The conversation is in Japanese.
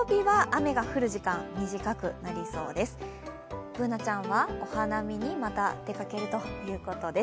Ｂｏｏｎａちゃんは、お花見にまた出かけるということです。